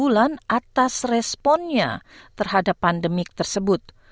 dan atas responnya terhadap pandemik tersebut